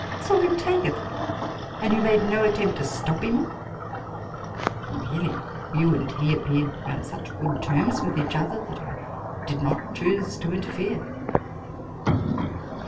" Saw him take it ! and you made no attempt to stop him ?"" Really, you and he appeared to be on such good terms with each other, that I did not choose to interfere."